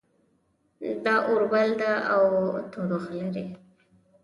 دا اور بل ده او تودوخه لري